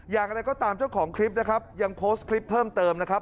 อย่างไรก็ตามเจ้าของคลิปนะครับยังโพสต์คลิปเพิ่มเติมนะครับ